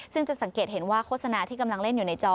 ซึ่งจะสังเกตเห็นว่าโฆษณาที่กำลังเล่นอยู่ในจอ